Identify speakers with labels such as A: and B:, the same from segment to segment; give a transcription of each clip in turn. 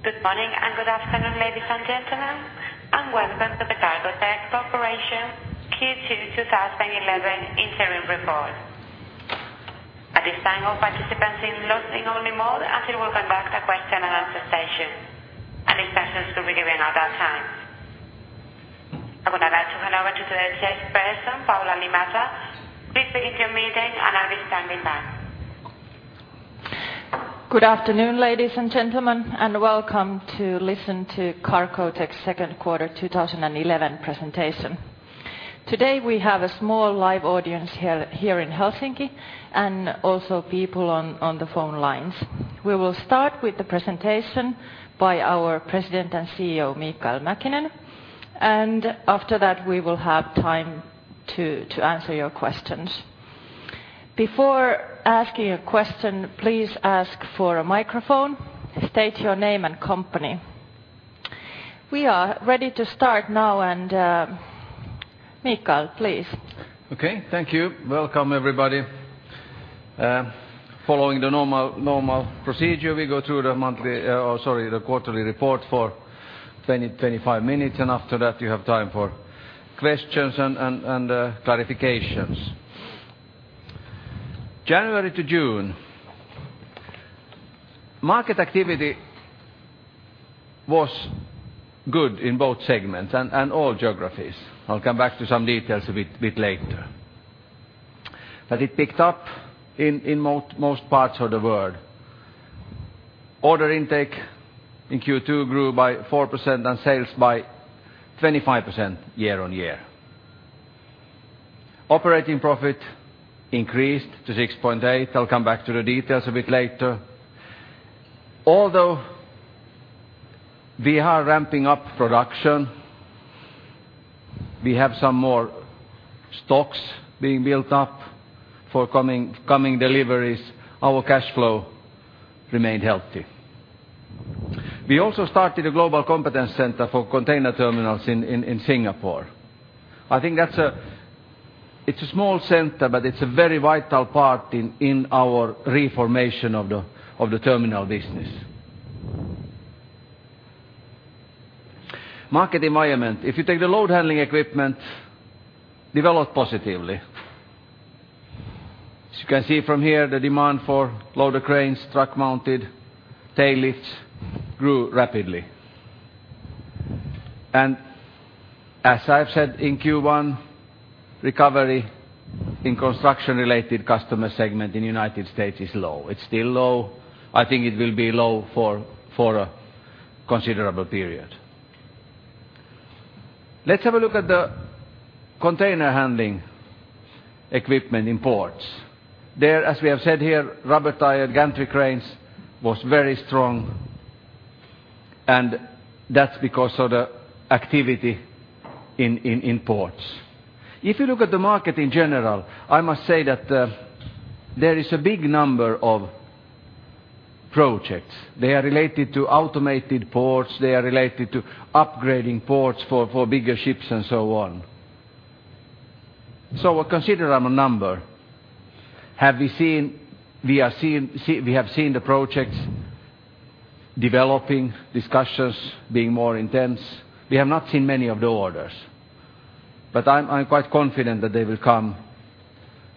A: Good morning and good afternoon, ladies and gentlemen, welcome to the Cargotec Corporation Q2 2011 interim report. At this time, all participants in listen-only mode until we conduct a question and answer session, and instructions will be given at that time. I would like to hand over to the chairperson, Paula Liimatta. Please begin your meeting, and I'll be standing by.
B: Good afternoon, ladies and gentlemen, and welcome to listen to Cargotec's second quarter 2011 presentation. Today, we have a small live audience here in Helsinki and also people on the phone lines. We will start with the presentation by our President and CEO, Mikael Mäkinen. After that, we will have time to answer your questions. Before asking a question, please ask for a microphone, state your name and company. We are ready to start now and Mikael, please.
C: Okay. Thank you. Welcome, everybody. Following the normal procedure, we go through the monthly, or sorry, the quarterly report for 20-25 minutes, and after that, we have time for questions and clarifications. January to June, market activity was good in both segments and all geographies. I'll come back to some details a bit later. It picked up in most parts of the world. Order intake in Q2 grew by 4% and sales by 25% year-on-year. Operating profit increased to 6.8%. I'll come back to the details a bit later. Although we are ramping up production, we have some more stocks being built up for coming deliveries, our cash flow remained healthy. We also started a global competence center for container terminals in Singapore. I think that's a... It's a small center, but it's a very vital part in our reformation of the terminal business. Market environment. If you take the load handling equipment, developed positively. As you can see from here, the demand for loader cranes, truck-mounted, tail lifts grew rapidly. As I've said in Q1, recovery in construction-related customer segment in United States is low. It's still low. I think it will be low for a considerable period. Let's have a look at the container handling equipment in ports. There, as we have said here, rubber-tired gantry cranes was very strong, and that's because of the activity in ports. If you look at the market in general, I must say that there is a big number of projects. They are related to automated ports. They are related to upgrading ports for bigger ships and so on. A considerable number. We have seen the projects developing, discussions being more intense. We have not seen many of the orders, but I'm quite confident that they will come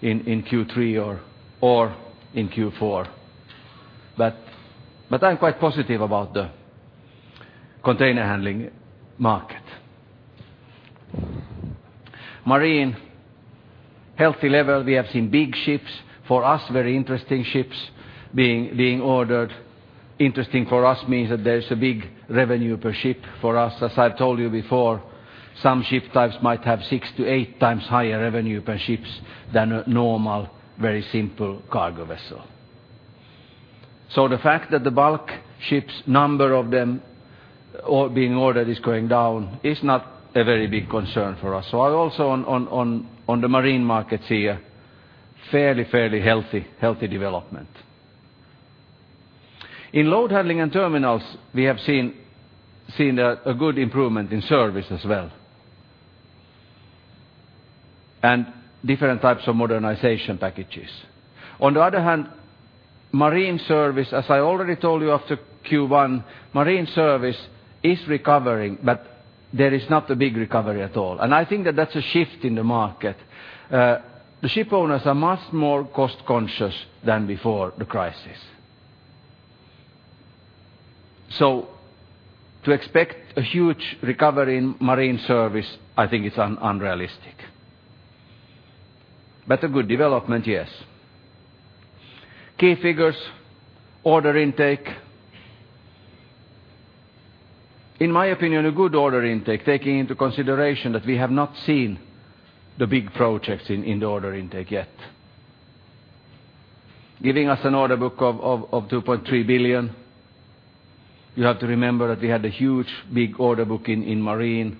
C: in in Q3 or in Q4. I'm quite positive about the container handling market. Marine, healthy level. We have seen big ships, for us, very interesting ships being ordered. Interesting for us means that there's a big revenue per ship for us. As I've told you before, some ship types might have 6x-8x higher revenue per ships than a normal, very simple cargo vessel. The fact that the bulk ships, number of them, or being ordered is going down is not a very big concern for us. I also on the marine market see a fairly healthy development. In load handling and terminals, we have seen a good improvement in service as well and different types of modernization packages. On the other hand, marine service, as I already told you after Q1, marine service is recovering, but there is not a big recovery at all. I think that that's a shift in the market. The shipowners are much more cost-conscious than before the crisis. To expect a huge recovery in marine service, I think it's unrealistic. A good development, yes. Key figures, order intake. In my opinion, a good order intake, taking into consideration that we have not seen the big projects in the order intake yet. Giving us an order book of 2.3 billion. You have to remember that we had a huge, big order book in marine,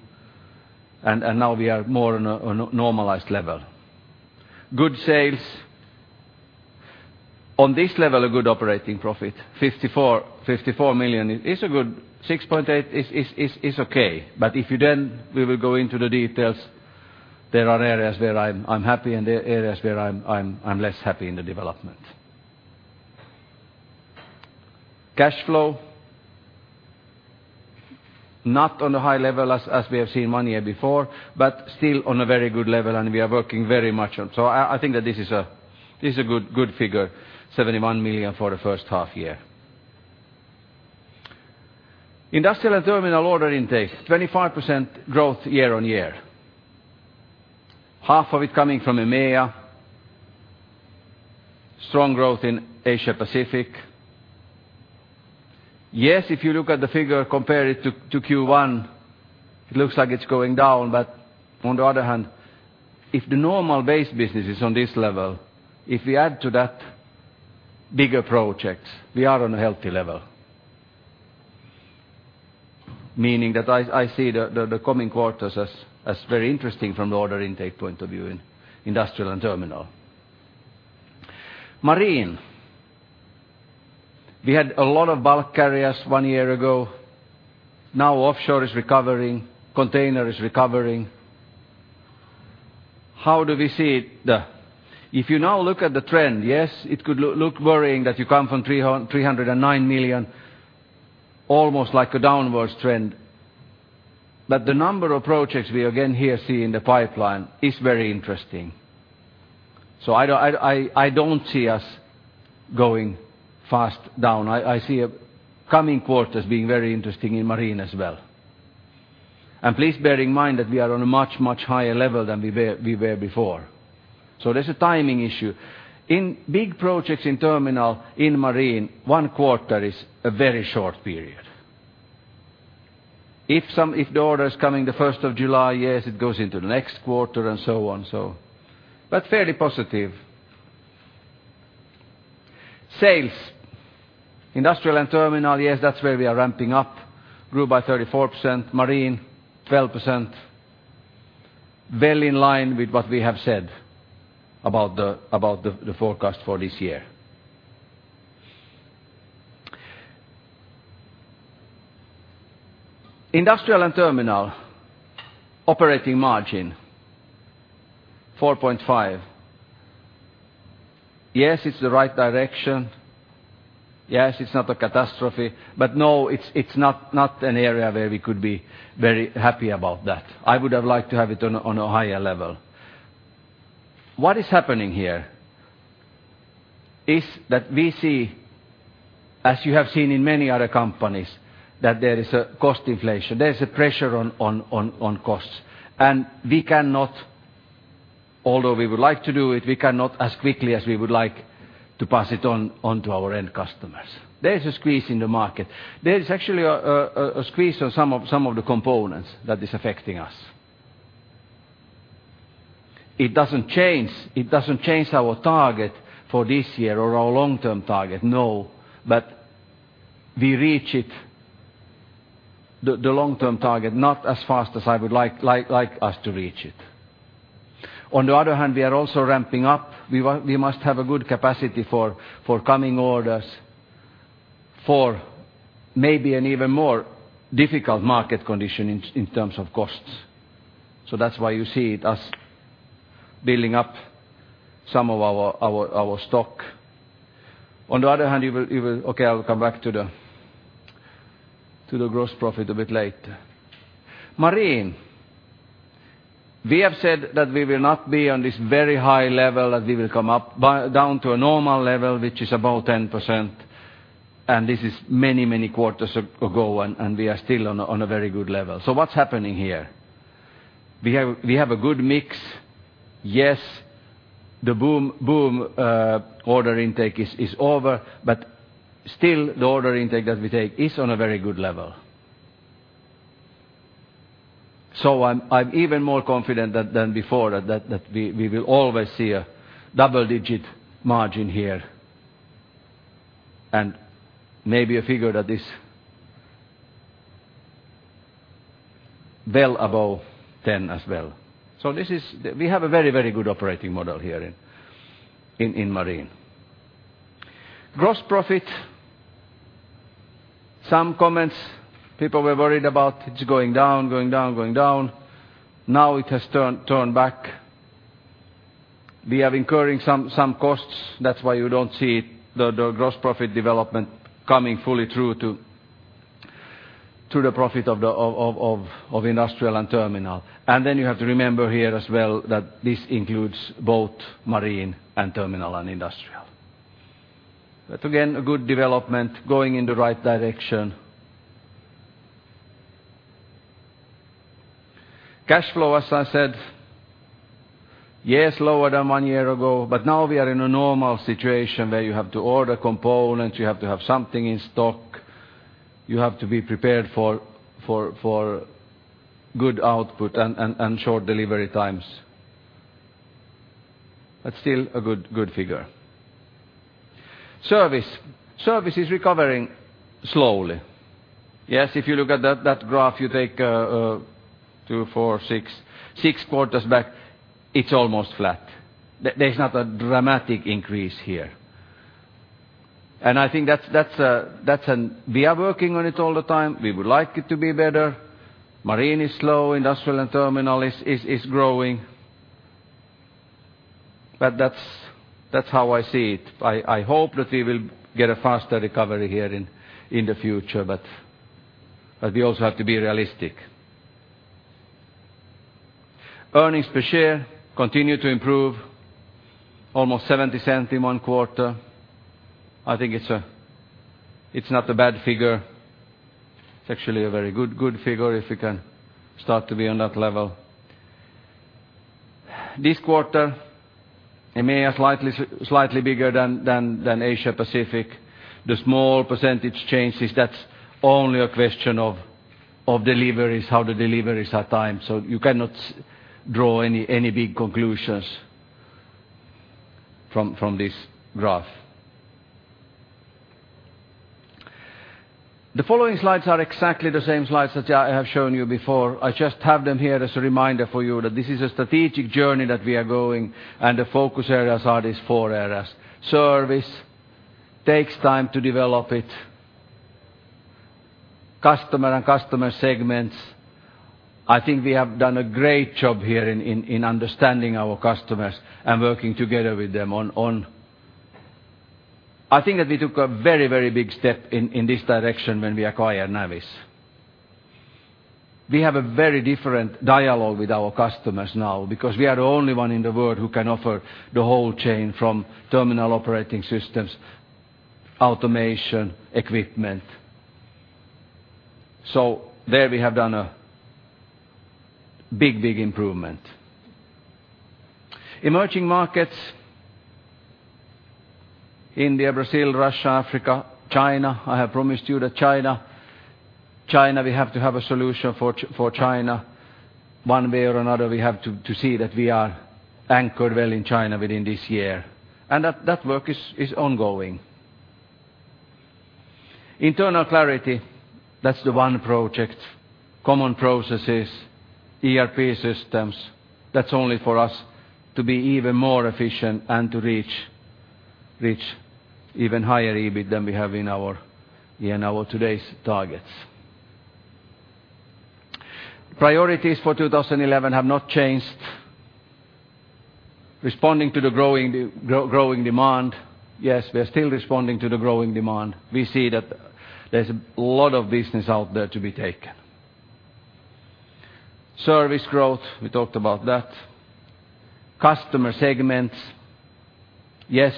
C: and now we are more on a normalized level. Good sales. On this level, a good operating profit. 54 million is a good. 6.8% is okay. If you then, we will go into the details. There are areas where I'm happy and there are areas where I'm less happy in the development. Cash flow, not on a high level as we have seen one year before, but still on a very good level, and we are working very much on. I think that this is a good figure, 71 million for the first half year. Industrial and terminal order intake, 25% growth year-on-year. Half of it coming from EMEA. Strong growth in Asia-Pacific. If you look at the figure, compare it to Q1, it looks like it's going down. On the other hand, if the normal base business is on this level, if we add to that bigger projects, we are on a healthy level. Meaning that I see the coming quarters as very interesting from the order intake point of view in industrial and terminal. Marine. We had a lot of bulk carriers one year ago, now offshore is recovering, container is recovering. If you now look at the trend, it could look worrying that you come from 309 million, almost like a downwards trend. The number of projects we again here see in the pipeline is very interesting. I don't see us going fast down. I see coming quarters being very interesting in marine as well. Please bear in mind that we are on a much, much higher level than we were before. There's a timing issue. In big projects in terminal, in marine, one quarter is a very short period. If the order is coming the 1st of July, yes, it goes into the next quarter and so on. Fairly positive. Sales. Industrial and terminal, yes, that's where we are ramping up. Grew by 34%. Marine, 12%. Well in line with what we have said about the forecast for this year. Industrial and terminal operating margin, 4.5%. Yes, it's the right direction. Yes, it's not a catastrophe. No, it's not an area where we could be very happy about that. I would have liked to have it on a higher level. What is happening here is that we see, as you have seen in many other companies, that there is a cost inflation. There's a pressure on costs. We cannot, although we would like to do it, we cannot as quickly as we would like to pass it on to our end customers. There's a squeeze in the market. There is actually a squeeze on some of the components that is affecting us. It doesn't change our target for this year or our long-term target, no. We reach it, the long-term target, not as fast as I would like us to reach it. On the other hand, we are also ramping up. We must have a good capacity for coming orders, for maybe an even more difficult market condition in terms of costs. That's why you see us building up some of our stock. On the other hand, Okay, I'll come back to the gross profit a bit later. Marine. We have said that we will not be on this very high level, that we will come down to a normal level, which is about 10%, and this is many quarters ago, and we are still on a very good level. What's happening here? We have a good mix. Yes, the boom order intake is over, still the order intake that we take is on a very good level. I'm even more confident than before that we will always see a double-digit margin here and maybe a figure that is well above 10 as well. We have a very good operating model here in marine. Gross profit. Some comments people were worried about. It's going down. Now it has turned back. We are incurring some costs. That's why you don't see the gross profit development coming fully through to the profit of the industrial and terminal. You have to remember here as well that this includes both marine and terminal and industrial. Again, a good development going in the right direction. Cash flow, as I said, yes, lower than one year ago, but now we are in a normal situation where you have to order components, you have to have something in stock, you have to be prepared for good output and short delivery times. Still a good figure. Service. Service is recovering slowly. Yes, if you look at that graph, you take two, four, six quarters back, it's almost flat. There's not a dramatic increase here. I think we are working on it all the time. We would like it to be better. Marine is slow, industrial and terminal is growing. That's how I see it. I hope that we will get a faster recovery here in the future, but we also have to be realistic. Earnings per share continue to improve almost 0.70 in one quarter. I think it's not a bad figure. It's actually a very good figure if it can start to be on that level. This quarter, EMEA slightly bigger than Asia-Pacific. The small percentage changes, that's only a question of deliveries, how the deliveries are timed, so you cannot draw any big conclusions from this graph. The following slides are exactly the same slides that I have shown you before. I just have them here as a reminder for you that this is a strategic journey that we are going, and the focus areas are these four areas. Service takes time to develop it. Customer and customer segments, I think we have done a great job here in understanding our customers and working together with them on. I think that we took a very, very big step in this direction when we acquired Navis. We have a very different dialogue with our customers now because we are the only one in the world who can offer the whole chain from Terminal Operating Systems, automation, equipment. There we have done a big, big improvement. Emerging markets, India, Brazil, Russia, Africa, China. I have promised you that China, we have to have a solution for China. One way or another, we have to see that we are anchored well in China within this year. That work is ongoing. Internal clarity, that's the one project. Common processes, ERP systems, that's only for us to be even more efficient and to reach even higher EBIT than we have in our today's targets. Priorities for 2011 have not changed. Responding to the growing demand. Yes, we are still responding to the growing demand. We see that there's a lot of business out there to be taken. Service growth, we talked about that. Customer segments, yes,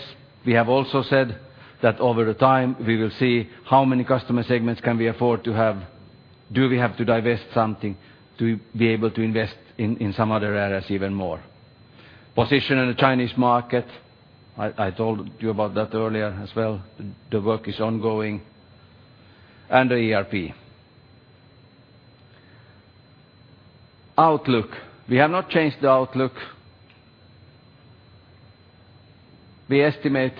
C: we have also said that over the time, we will see how many customer segments can we afford to have. Do we have to divest something to be able to invest in some other areas even more? Position in the Chinese market, I told you about that earlier as well. The work is ongoing. The ERP. Outlook. We have not changed the outlook. We estimate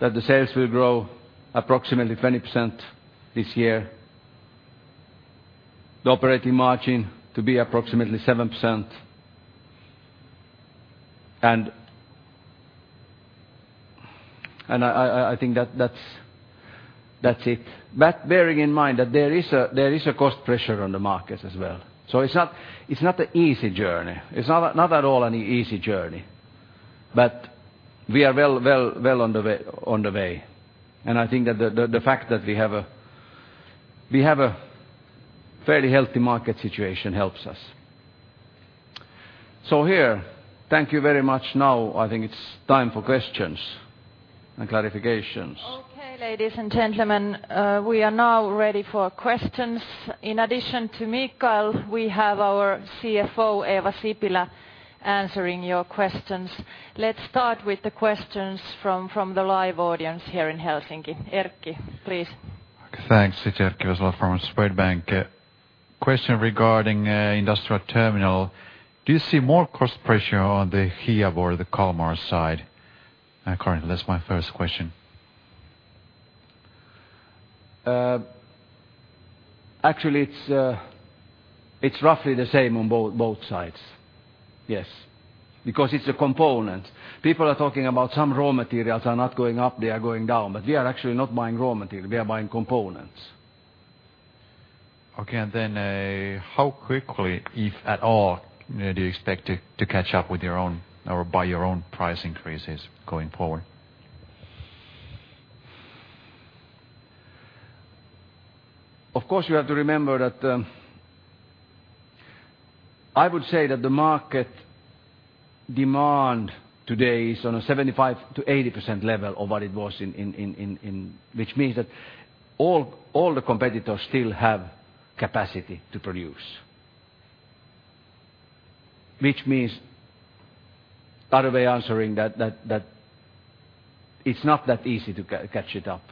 C: that the sales will grow approximately 20% this year. The operating margin to be approximately 7%. I think that's it. Bearing in mind that there is a cost pressure on the market as well. It's not an easy journey. It's not at all an easy journey. We are well on the way. I think that the fact that we have a fairly healthy market situation helps us. Here, thank you very much. Now, I think it's time for questions and clarifications.
B: Okay, ladies and gentlemen, we are now ready for questions. In addition to Mikael, we have our CFO, Eeva Sipilä, answering your questions. Let's start with the questions from the live audience here in Helsinki. Erkki, please.
D: Thanks. It's Erkki Vesola from Swedbank. Question regarding industrial terminal. Do you see more cost pressure on the Hiab or the Kalmar side currently? That's my first question.
C: Actually, it's roughly the same on both sides. Yes, because it's a component. People are talking about some raw materials are not going up, they are going down, but we are actually not buying raw material, we are buying components.
D: Okay, how quickly, if at all, do you expect to catch up with your own or by your own price increases going forward?
C: Of course, you have to remember that, I would say that the market demand today is on a 75%-80% level of what it was, which means that all the competitors still have capacity to produce. Which means, other way answering that it's not that easy to catch it up.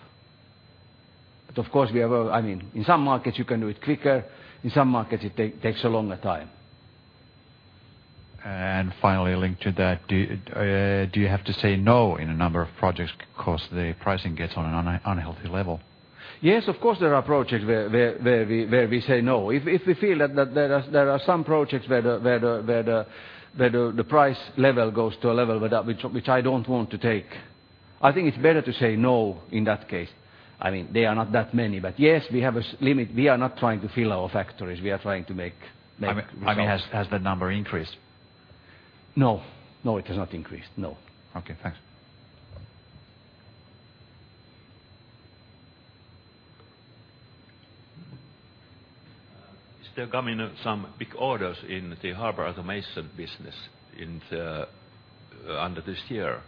C: Of course we have, I mean, in some markets you can do it quicker, in some markets it takes a longer time.
D: Finally linked to that, do you have to say no in a number of projects because the pricing gets on an unhealthy level?
C: Yes, of course, there are projects where we say no. If we feel that there are some projects where the price level goes to a level which I don't want to take. I think it's better to say no in that case. I mean, they are not that many. Yes, we have a limit. We are not trying to fill our factories. We are trying to make results.
D: I mean, has that number increased?
C: No. No, it has not increased, no.
D: Okay, thanks.
E: Is there coming some big orders in the harbor automation business under this year?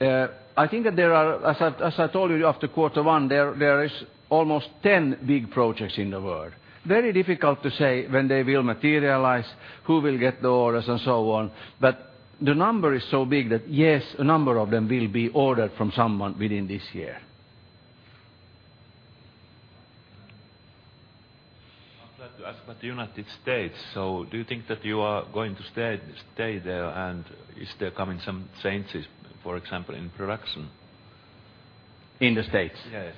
C: As I told you, after quarter one, there is almost 10 big projects in the world. Very difficult to say when they will materialize, who will get the orders, and so on. The number is so big that, yes, a number of them will be ordered from someone within this year.
E: I'd like to ask about United States. Do you think that you are going to stay there? Is there coming some changes, for example, in production?
C: In the States?
E: Yes.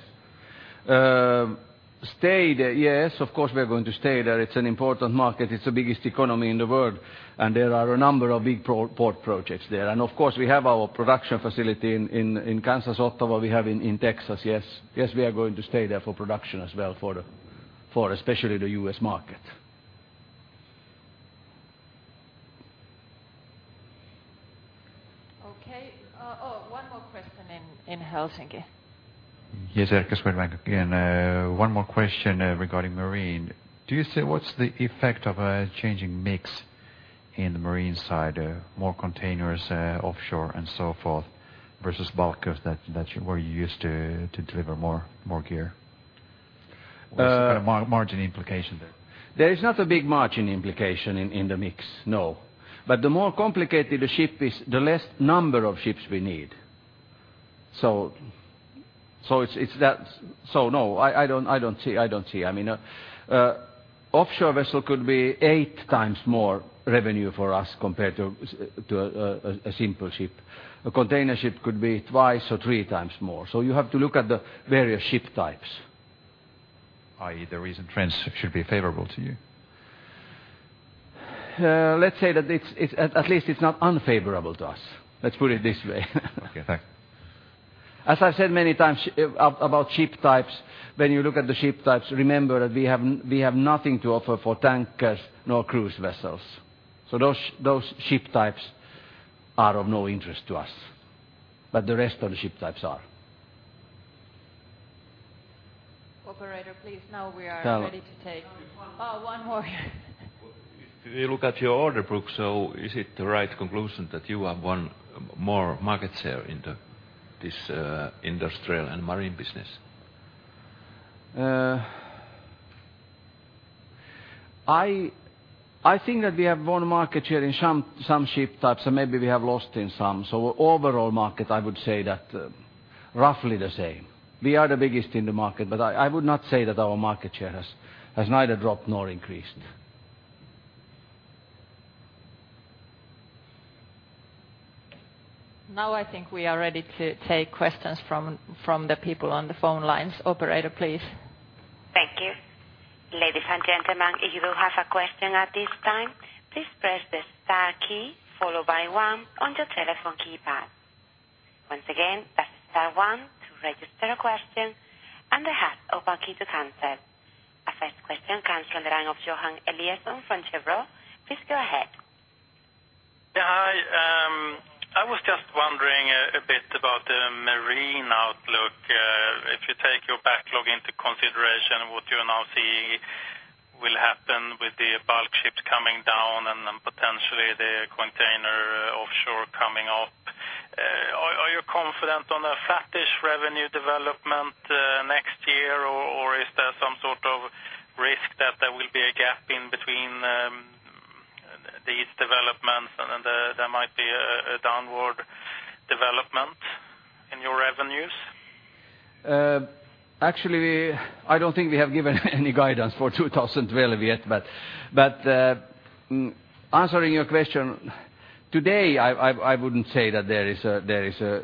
C: Stay there, yes, of course, we are going to stay there. It's an important market. It's the biggest economy in the world, and there are a number of big pro-port projects there. Of course, we have our production facility in Kansas, Ottawa, we have in Texas. Yes. Yes, we are going to stay there for production as well for especially the U.S. market.
B: Okay. oh, one more question in Helsinki.
D: Yes, Erkki Vesola again. One more question regarding marine. Do you see what's the effect of a changing mix in the marine side, more containers, offshore and so forth versus bulk of that where you used to deliver more gear? Margin implication there.
C: There is not a big margin implication in the mix, no. The more complicated the ship is, the less number of ships we need. It's that. No, I don't see. I mean, offshore vessel could be 8x more revenue for us compared to a simple ship. A container ship could be twice or 3x more. You have to look at the various ship types.
D: I.e., the recent trends should be favorable to you?
C: Let's say that it's, at least it's not unfavorable to us. Let's put it this way.
D: Okay, thanks.
C: As I've said many times about ship types, when you look at the ship types, remember that we have nothing to offer for tankers nor cruise vessels. Those ship types are of no interest to us. The rest of the ship types are.
B: Operator, please. Now we're ready to take
F: Just one more.
B: Oh, one more.
G: If you look at your order book, is it the right conclusion that you have won more market share in this industrial and marine business?
C: I think that we have won market share in some ship types, and maybe we have lost in some. Overall market, I would say that roughly the same. We are the biggest in the market, but I would not say that our market share has neither dropped nor increased.
B: Now I think we are ready to take questions from the people on the phone lines. Operator, please.
A: Thank you. Ladies and gentlemen, if you have a question at this time, please press the star key followed by one on your telephone keypad. Once again, that's star one to register a question and the hashtag or star key to cancel. Our first question comes on the line of Johan Eliason from Cheuvreux. Please go ahead.
H: Yeah, hi. I was just wondering a bit about the marine outlook. If you take your backlog into consideration, what do you now see will happen with the bulk ships coming down and then potentially the container offshore coming up? Are you confident on a fattish revenue development next year? Is there some sort of risk that there will be a gap in between these developments and there might be a downward development in your revenues?
C: Actually, I don't think we have given any guidance for 2012 yet. Answering your question, today, I wouldn't say that there is a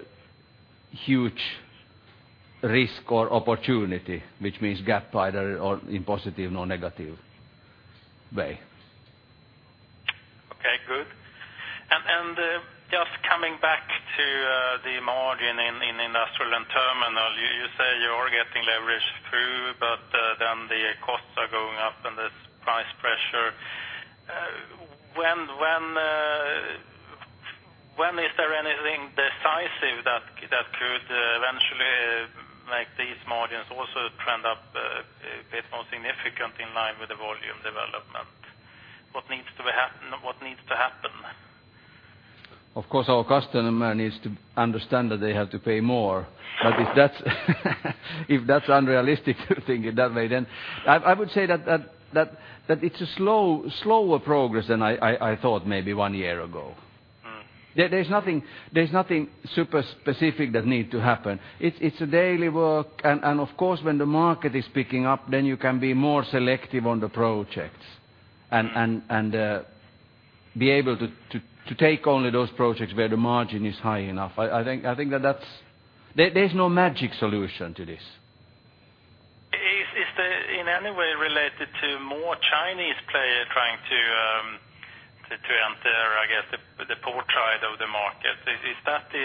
C: huge risk or opportunity, which means gap either or in positive or negative way.
H: Okay, good. Just coming back to the margin in industrial and terminal, you say you are getting leverage through, but then the costs are going up and there's price pressure. When is there anything decisive that could eventually make these margins also trend up a bit more significant in line with the volume development? What needs to be happen? What needs to happen?
C: Of course, our customer needs to understand that they have to pay more. If that's unrealistic to think it that way, I would say that it's a slow, slower progress than I thought maybe one year ago. There's nothing super specific that need to happen. It's a daily work. Of course, when the market is picking up, then you can be more selective on the projects and be able to take only those projects where the margin is high enough. I think that's. There's no magic solution to this.
H: Is the, in any way related to more Chinese player trying to enter, I guess, the port side of the market? Is that the,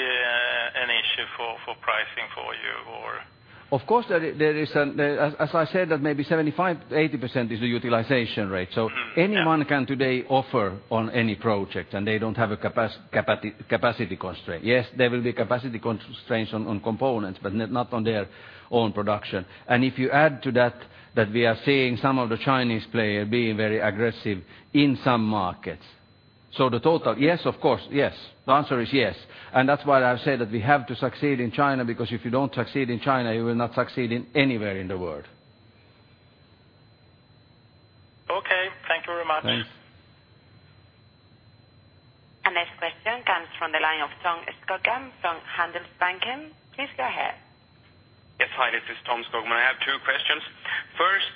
H: an issue for pricing for you or?
C: Of course there is, As I said that maybe 75%-80% is the utilization rate. Anyone can today offer on any project, and they don't have a capacity constraint. Yes, there will be capacity constraints on components, but not on their own production. If you add to that we are seeing some of the Chinese player being very aggressive in some markets. The total, yes, of course, yes. The answer is yes. That's why I've said that we have to succeed in China because if you don't succeed in China, you will not succeed in anywhere in the world.
H: Okay. Thank you very much.
C: Thanks.
A: Next question comes from the line of Tom Skogheim from Handelsbanken. Please go ahead.
I: Yes. Hi, this is Tom Skogheim. I have two questions. First,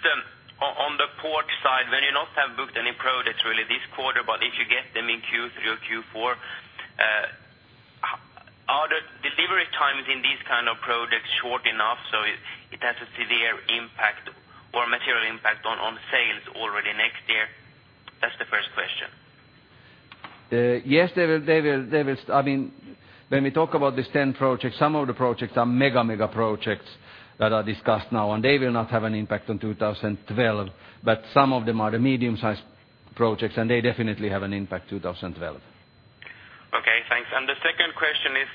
I: on the port side, when you not have booked any products really this quarter, but if you get them in Q3 or Q4, are the delivery times in these kind of products short enough so it has a severe impact or material impact on sales already next year? That's the first question.
C: Yes, they will. I mean, when we talk about these 10 projects, some of the projects are mega, mega projects that are discussed now. They will not have an impact on 2012. Some of them are the medium-sized projects. They definitely have an impact 2012.
I: Okay, thanks. The second question is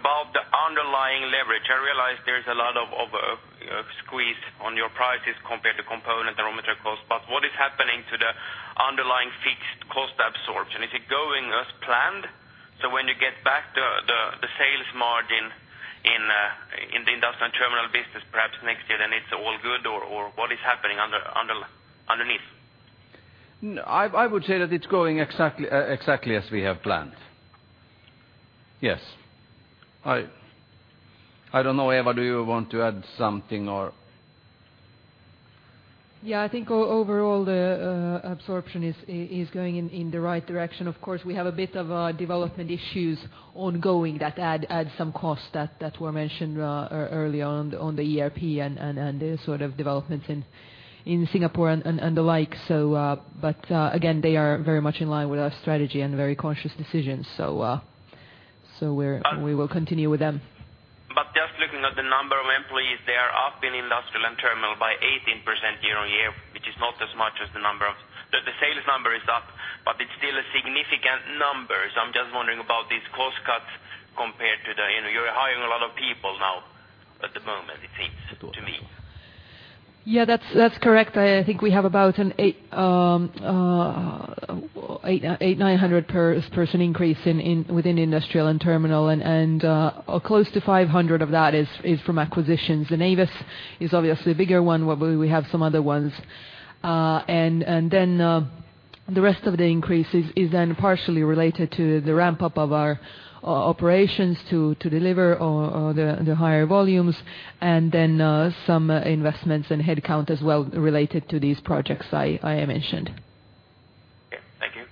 I: about the underlying leverage. I realize there is a lot of squeeze on your prices compared to component and raw material cost. What is happening to the underlying fixed cost absorption? Is it going as planned? When you get back the sales margin in the industrial and terminal business perhaps next year, it's all good or what is happening underneath?
C: I would say that it's going exactly as we have planned. Yes. I don't know, Eeva, do you want to add something or?
J: Yeah. I think overall the absorption is going in the right direction. Of course, we have a bit of development issues ongoing that add some costs that were mentioned early on the ERP and the sort of developments in Singapore and the like. Again, they are very much in line with our strategy and very conscious decisions so we will continue with them.
I: Just looking at the number of employees, they are up in industrial and terminal by 18% year-on-year, which is not as much as the sales number is up, but it's still a significant number. I'm just wondering about these cost cuts compared to the. You know, you're hiring a lot of people now at the moment, it seems to me.
J: Yeah. That's correct. I think we have about an 800-900 per-person increase within industrial and terminal and close to 500 of that is from acquisitions. The Navis is obviously a bigger one, where we have some other ones. Then the rest of the increase is then partially related to the ramp-up of our operations to deliver the higher volumes, and then some investments in headcount as well related to these projects I mentioned.
I: Okay. Thank you.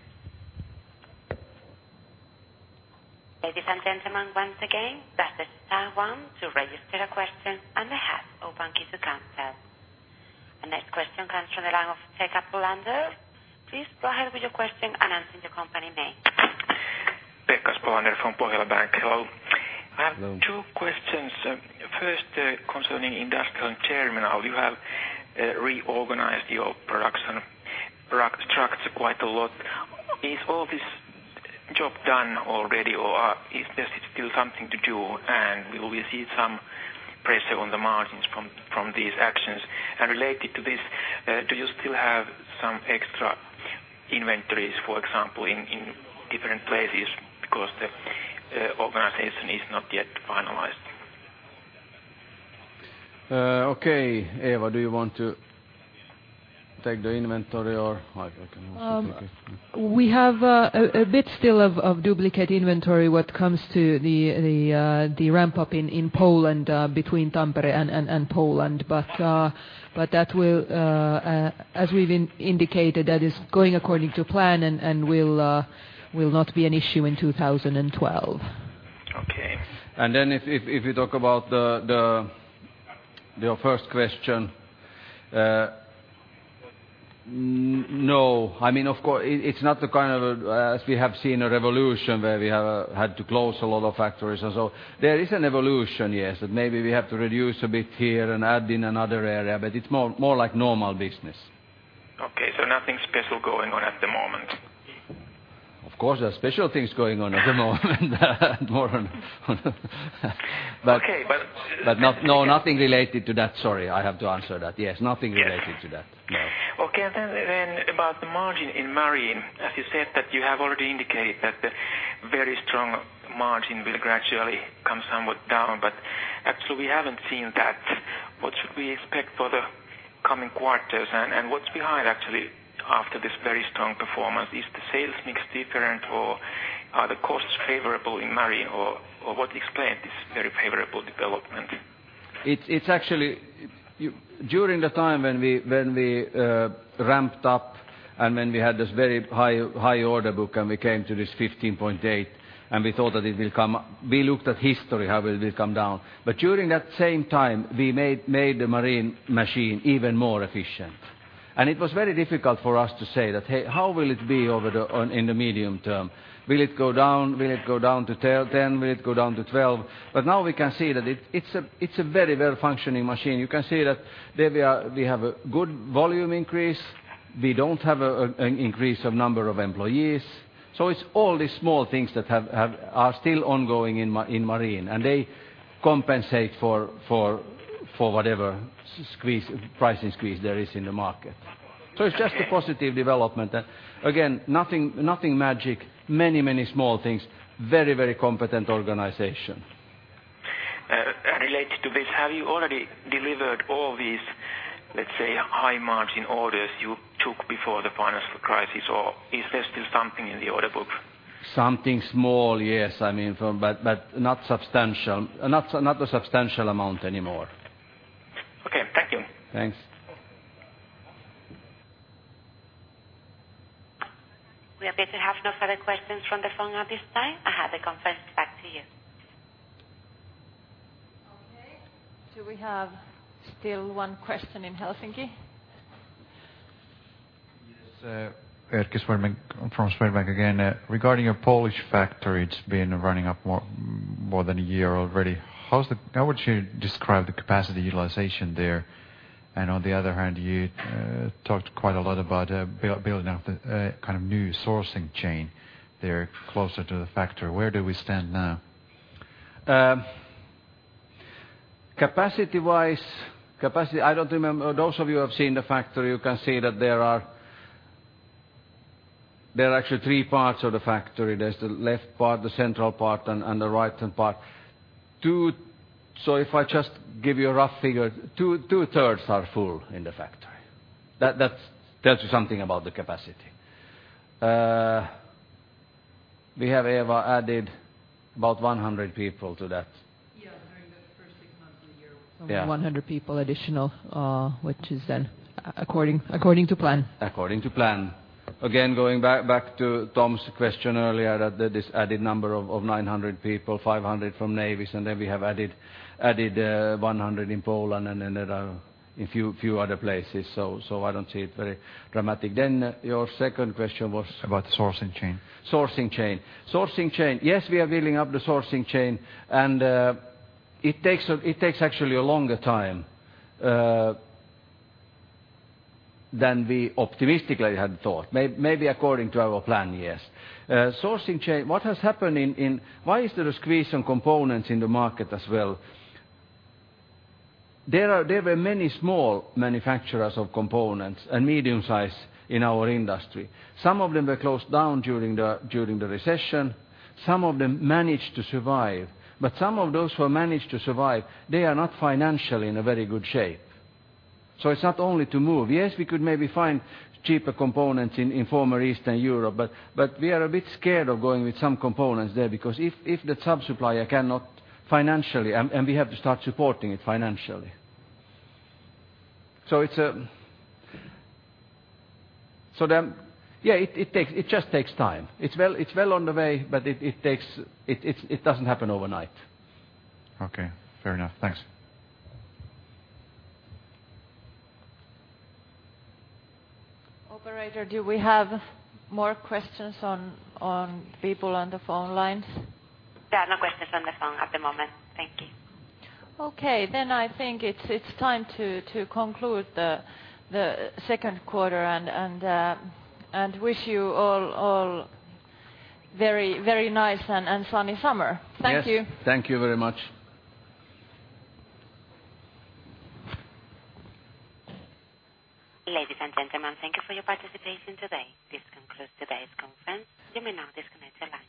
A: Ladies and gentlemen, once again, press star one to register a question and the hash or pound key to cancel. Our next question comes from the line of Pekka Spolander. Please go ahead with your question and state the company name.
K: Pekka Spolander from Pohjola Bank. Hello.
C: Hello.
K: I have two questions. First, concerning industrial and terminal, you have reorganized your production structs quite a lot. Is all this job done already or is there still something to do? Will we see some pressure on the margins from these actions? Related to this, do you still have some extra inventories, for example, in different places because the organization is not yet finalized?
C: Okay. Eeva, do you want to take the inventory or I can also take it?
J: We have a bit still of duplicate inventory when it comes to the ramp-up in Poland, between Tampere and Poland. That will, as we've indicated, that is going according to plan and will not be an issue in 2012.
K: Okay.
C: If you talk about the your first question, no. I mean, of course, it's not the kind of, as we have seen, a revolution where we have had to close a lot of factories and so on. There is an evolution, yes, that maybe we have to reduce a bit here and add in another area, but it's more like normal business.
K: Okay. nothing special going on at the moment?
C: Of course, there are special things going on at the moment. More on...
K: Okay.
C: No, nothing related to that. Sorry, I have to answer that. Yes. Nothing related to that. No.
K: Okay. Then about the margin in marine, as you said that you have already indicated that the very strong margin will gradually come somewhat down, but actually we haven't seen that. What should we expect for the coming quarters? What's behind actually after this very strong performance? Is the sales mix different or the costs favorable in marine or what explained this very favorable development?
C: It's actually during the time when we ramped up and when we had this very high order book and we came to this 15.8, and we thought that it will come. We looked at history, how will it come down. During that same time, we made the marine machine even more efficient. It was very difficult for us to say that, "Hey, how will it be over the in the medium term? Will it go down? Will it go down to 10? Will it go down to 12?" Now we can see that it's a very well-functioning machine. You can see that there we are, we have a good volume increase. We don't have an increase of number of employees. It's all these small things that are still ongoing in marine, and they compensate for whatever pricing squeeze there is in the market. It's just a positive development. Again, nothing magic. Many, many small things. Very, very competent organization.
K: Related to this, have you already delivered all these, let's say, high margin orders you took before the financial crisis, or is there still something in the order book?
C: Something small, yes. I mean, not substantial. Not a substantial amount anymore.
K: Okay, thank you.
C: Thanks.
A: We appear to have no further questions from the phone at this time. I hand the conference back to you.
B: Okay. Do we have still one question in Helsinki?
D: Yes, Erkki Vesola from Swedbank again. Regarding your Polish factory, it's been running up more than a year already. How would you describe the capacity utilization there? On the other hand, you talked quite a lot about building up the kind of new sourcing chain there closer to the factory. Where do we stand now?
C: Capacity-wise, I don't remember. Those of you who have seen the factory, you can see that there are actually three parts of the factory. There's the left part, the central part and the right-hand part. So if I just give you a rough figure, two-thirds are full in the factory. That's tells you something about the capacity. We have, Eeva, added about 100 people to that.
J: Yeah, during the first six months of the year...
C: Yeah.
J: 100 people additional, which is then according to plan.
C: According to plan. Again, going back to Tom's question earlier that this added number of 900 people, 500 from Navis, and then we have added 100 in Poland and then there are in few other places. I don't see it very dramatic. Your second question was?
D: About the sourcing chain.
C: Sourcing chain. Yes, we are building up the sourcing chain, and it takes actually a longer time than we optimistically had thought. Maybe according to our plan, yes. Sourcing chain, what has happened in? Why is there a squeeze on components in the market as well? There are, there were many small manufacturers of components and medium-size in our industry. Some of them were closed down during the recession. Some of them managed to survive. Some of those who managed to survive, they are not financially in a very good shape. It's not only to move. Yes, we could maybe find cheaper components in former Eastern Europe, but we are a bit scared of going with some components there because if the sub-supplier cannot financially, and we have to start supporting it financially. It's yeah, it takes, it just takes time. It's well on the way, but it takes, it doesn't happen overnight.
D: Okay, fair enough. Thanks.
B: Operator, do we have more questions on people on the phone lines?
A: There are no questions on the phone at the moment. Thank you.
B: Okay. I think it's time to conclude the second quarter and wish you all very nice and sunny summer. Thank you.
C: Yes, thank you very much.
A: Ladies and gentlemen, thank you for your participation today. This concludes today's conference. You may now disconnect your line.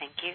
A: Thank you.